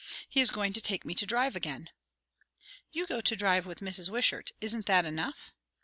He is going to take me to drive again." "You go to drive with Mrs. Wishart. Isn't that enough?"